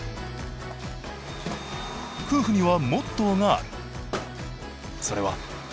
夫婦にはモットーがある。